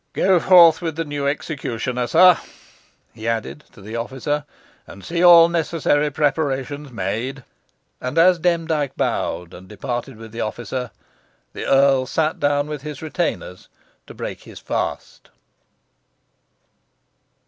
Go forth with the new executioner, sir," he added to the officer, "and see all necessary preparations made." And as Demdike bowed, and departed with the officer, the earl sat down with his retainers to break his fast.